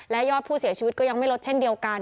และยอดผู้เสียชีวิตก็ยังไม่ลดเช่นเดียวกัน